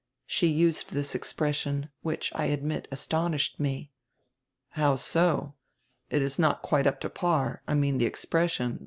She used this expression, which, I admit, astonished me." "How so? It is not quite up to par, I mean the expres sion.